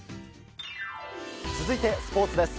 続いてスポーツです。